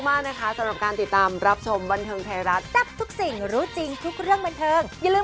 พังขาวเกินอยากพังแตงโรงแบบ